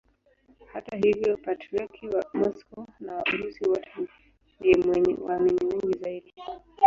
Hata hivyo Patriarki wa Moscow na wa Urusi wote ndiye mwenye waamini wengi zaidi.